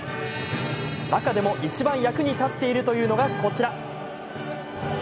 中でも、いちばん役に立っているというのが、こちら。